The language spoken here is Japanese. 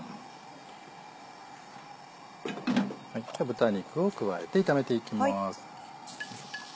豚肉を加えて炒めていきます。